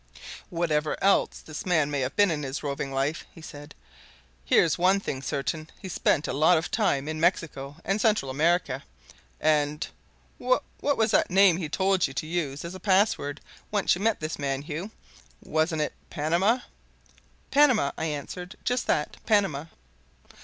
"Wherever else this man may have been in his roving life," he said, "here's one thing certain he's spent a lot of time in Mexico and Central America. And what was the name he told you to use as a password once you met his man, Hugh wasn't it Panama?" "Panama!" I answered. "Just that Panama."